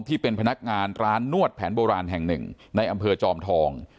ที่เป็นพนักงานร้านนวดแผนโบราณแห่งหนึ่งในอำเภอจอมทอง